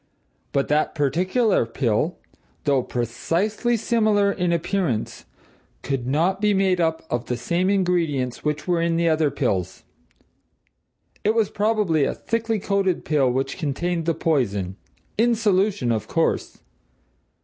But that particular pill, though precisely similar in appearance, could not be made up of the same ingredients which were in the other pills. It was probably a thickly coated pill which contained the poison; in solution of course.